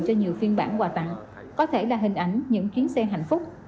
cho nhiều phiên bản quà tặng có thể là hình ảnh những chuyến xe hạnh phúc